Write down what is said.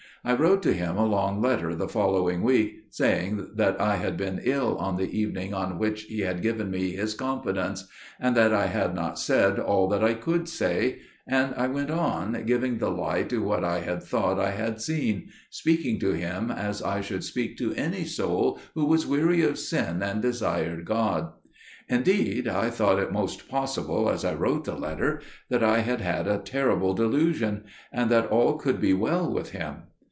I wrote to him a long letter the following week, saying that I had been ill on the evening on which he had given me his confidence: and that I had not said all that I could say: and I went on, giving the lie to what I had thought I had seen, speaking to him as I should speak to any soul who was weary of sin and desired God. "Indeed I thought it most possible, as I wrote the letter, that I had had a horrible delusion; and that all could be well with him.